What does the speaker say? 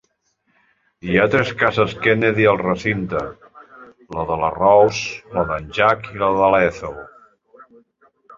Hi ha tres cases Kennedy al recinte: la de la Rose, la d'en Jack i la de l'Ethel.